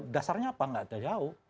dasarnya apa gak jauh